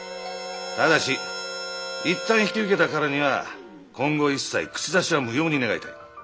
ただし一旦引き受けたからには今後一切口出しは無用に願いたい。